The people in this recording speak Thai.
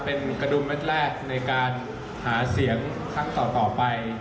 เป็นกระดุมเม็ดแรกในการหาเสียงครั้งต่อไป